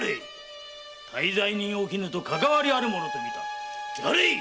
大罪人・おきぬとかかわりある者とみた。